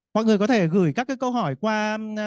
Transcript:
mọi người có thể gửi các câu hỏi qua